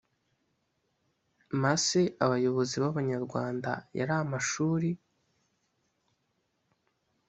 masseabayobozi b abanyarwanda yari amashuri